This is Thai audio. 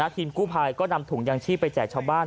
ทีมกู้ภัยก็นำถุงยางชีพไปแจกชาวบ้าน